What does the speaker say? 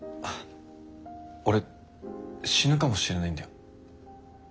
俺死ぬかもしれないんだよ？